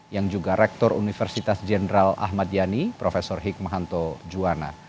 yang juga rektor universitas jenderal ahmad yani prof hikmahanto juwana